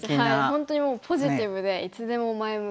本当にもうポジティブでいつでも前向き。